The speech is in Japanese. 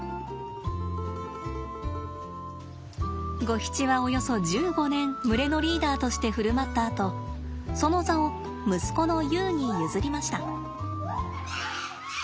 ゴヒチはおよそ１５年群れのリーダーとして振る舞ったあとその座を息子のユウに譲りました。